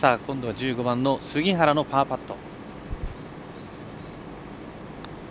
１５番の杉原のパーパット。